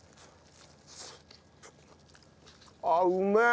あっうめえ。